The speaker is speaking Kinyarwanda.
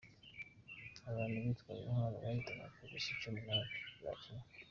Abantu bitwaje intwaro bahitanye Abapolisi icumi ba Kenya